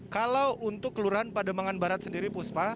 kalau untuk kelurahan pademangan barat sendiri puspa